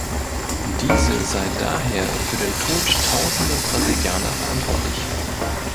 Diese sei daher „für den Tod Tausender Brasilianer verantwortlich“.